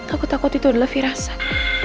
aku takut itu adalah firasan